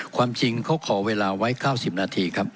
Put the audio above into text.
ความจริงเขาขอเวลาไว้๙๐นาทีครับ